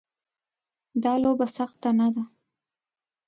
دا لوبه سخته نه ده.